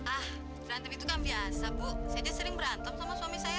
ah berantem itu kan biasa bu saya dia sering berantem sama suami saya